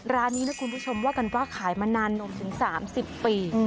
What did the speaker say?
ร้านนี้นะคุณผู้ชมว่ากันว่าขายมานานนมถึง๓๐ปี